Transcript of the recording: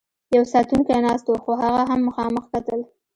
یو ساتونکی ناست و، خو هغه هم مخامخ کتل.